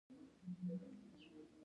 دا هم د هغه اضافي ارزښت یوه برخه ده